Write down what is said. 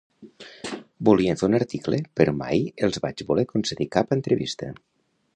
Volien fer un article però mai els vaig voler concedir cap entrevista